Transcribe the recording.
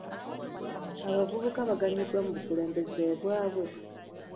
Abavubuka baganyuddwa mu bakulembeze baabwe?